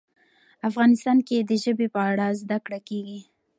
افغانستان کې د ژبې په اړه زده کړه کېږي.